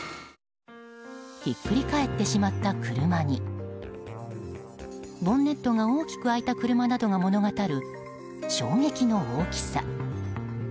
ひっくり返ってしまった車にボンネットが大きく開いた車などが物語る、衝撃の大きさ。